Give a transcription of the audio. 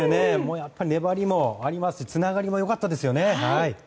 やっぱり粘りもありますしつながりも良かったですよね。